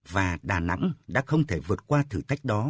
và đà nẵng đã không thể vượt qua thử thách đó